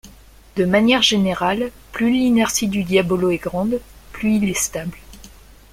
De manière générale plus l’inertie du diabolo est grande, plus il est stable.